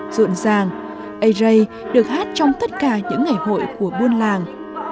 rộn ràng ây rây được hát trong tất cả những ngày hội của buôn làng